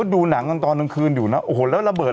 เขาดูหนังตอนคืนนี้อยู่นะโอ้โหแล้วระเบิด